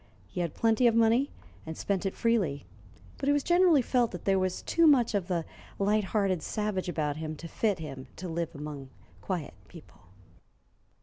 He had plenty of money, and spent it freely; but it was generally felt that there was too much of the light hearted savage about him to fit him to live among quiet people.